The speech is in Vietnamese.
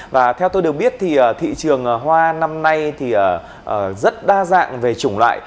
và theo tôi được biết thì thị trường hoa năm nay thì rất đa dạng về chủng loại